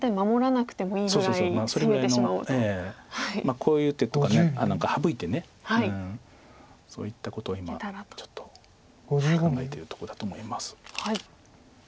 こういう手とか省いてそういったことを今ちょっと考えてるとこだと思います。